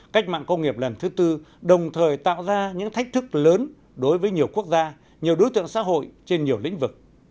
cách mạng công nghiệp lần thứ tư đồng thời tạo ra những thách thức lớn đối với nhiều quốc gia nhiều đối tượng xã hội trên nhiều lĩnh vực